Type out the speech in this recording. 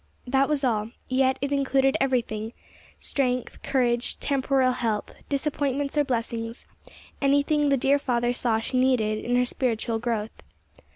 That was all; yet it included everything strength, courage, temporal help, disappointments or blessings anything the dear Father saw she needed in her spiritual growth.